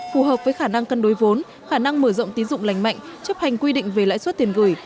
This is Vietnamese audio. phù hợp với khả năng cân đối vốn khả năng mở rộng tín dụng lành mạnh chấp hành quy định về lãi suất tiền gửi